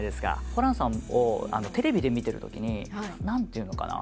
ホランさんをテレビで見てるときに何ていうのかな